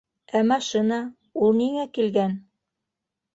Ә машина... ул ниңә килгән?